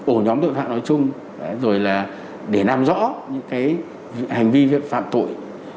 ổ nhóm tội phạm nói chung rồi là để làm rõ những hành vi viện phạm tội